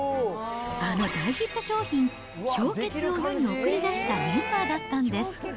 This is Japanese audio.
あの大ヒット商品、氷結を世に送り出したメンバーだったんです。